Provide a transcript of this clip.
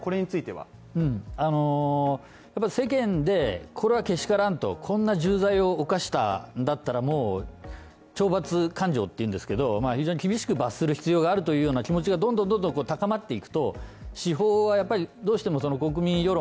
やっぱり世間で、これはけしからんと、こんな重罪を犯したんだったらもう、懲罰感情って言うんですけど非常に厳しく罰する必要があるというような気持ちがどんどん高まっていくと司法はやっぱりどうしてもその国民世論